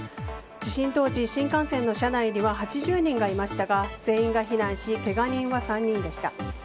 地震当時、新幹線の車内には８０人がいましたが全員が避難しけが人は３人でした。